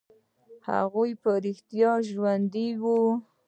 هغوى په رښتيا ژوندي وو.